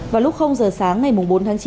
vào lúc giờ sáng ngày mùng bốn tháng chín